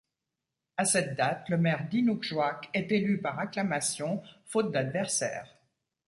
À cette date, le maire d'Inukjuak est élu par acclamation faute d’adversaire.